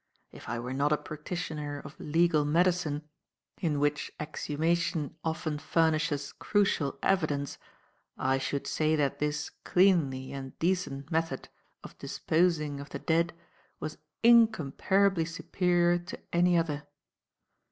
If I were not a practitioner of legal medicine in which exhumation often furnishes crucial evidence I should say that this cleanly and decent method of disposing of the dead was incomparably superior to any other.